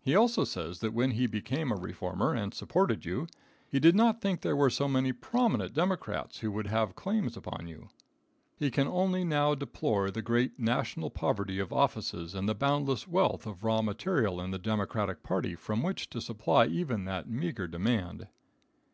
He also says that when he became a reformer and supported you, he did not think there were so many prominent Democrats who would have claims upon you. He can only now deplore the great national poverty of offices and the boundless wealth of raw material in the Democratic party from which to supply even that meagre demand.